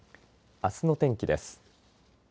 あすの天気です。